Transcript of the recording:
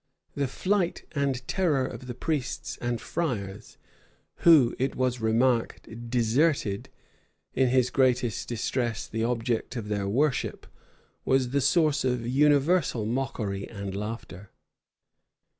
The flight and terror of the priests and friars, who, it was remarked, deserted, in his greatest distress, the object of their worship, was the source of universal mockery and laughter.